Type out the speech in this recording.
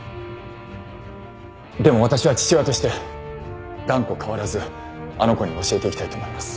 でも私は父親として断固変わらずあの子に教えていきたいと思います。